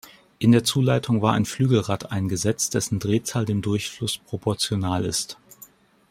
In der Zuleitung war ein Flügelrad eingesetzt, dessen Drehzahl dem Durchfluss proportional ist.